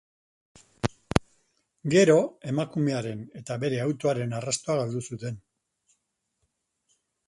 Gero, emakumearen eta bere autoaren arrastoa galdu zuten.